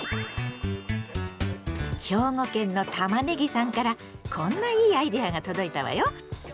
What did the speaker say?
兵庫県のタマネギさんからこんないいアイデアが届いたわよ。